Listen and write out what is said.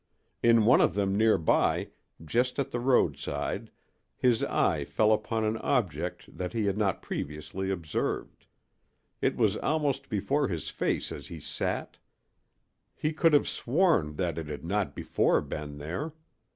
In one of them near by, just at the roadside, his eye fell upon an object that he had not previously observed. It was almost before his face as he sat; he could have sworn that it had not before been there.